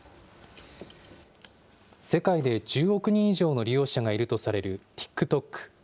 世界で１０億人以上の利用者がいるとされるＴｉｋＴｏｋ。